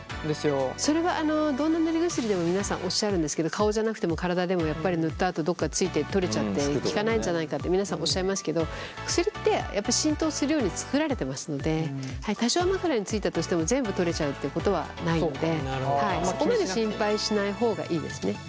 それはどんな塗り薬でも皆さんおっしゃるんですけど顔じゃなくても体でもやっぱり塗ったあとどこかついて取れちゃって効かないんじゃないかって皆さんおっしゃいますけど薬ってやっぱり浸透するように作られてますので多少枕についたとしても全部取れちゃうっていうことはないのでそこまで心配しない方がいいですね。